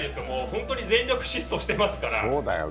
本当に全力疾走してますから。